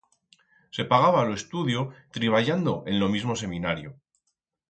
Se pagaba lo estudio triballando en lo mismo Seminario.